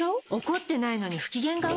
怒ってないのに不機嫌顔？